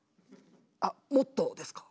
あっもっとですか？